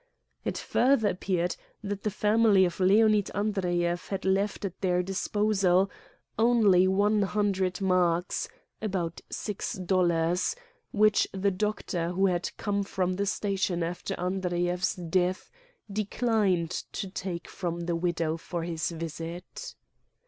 It further appeared that the family of Leonid Andreyev had left at their disposal only xv Preface one hundred marks (about 6 dollars), which the doctor who had come from the station after An dreyev's death declined to take from the widow for his visit.